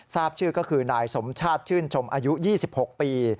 ทราบชื่อก็คือนายสมชาติชื่นชมอายุ๒๖ปี